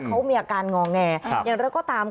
เขามีอาการงอแงอย่างไรก็ตาม